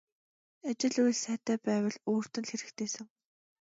Ажил үйл сайтай байвал өөрт нь л хэрэгтэйсэн.